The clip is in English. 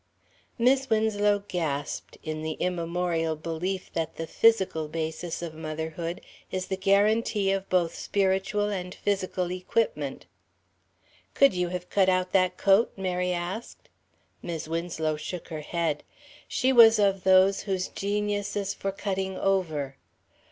Mis' Winslow gasped, in the immemorial belief that the physical basis of motherhood is the guarantee of both spiritual and physical equipment. "Could you have cut out that coat?" Mary asked. Mis' Winslow shook her head. She was of those whose genius is for cutting over.